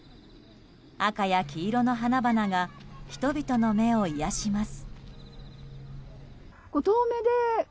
赤や黄色の花々が人々の目を癒やします。